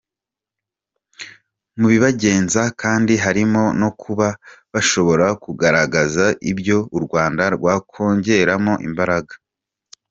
Mu bibagenza kandi harimo no kuba bashobora kugaragaza ibyo u Rwanda rwakongeramo imbaraga.